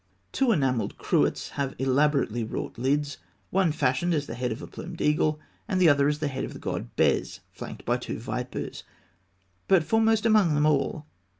Two enamelled cruets (fig. 290) have elaborately wrought lids, one fashioned as the head of a plumed eagle, and the other as the head of the god Bes flanked by two vipers (fig.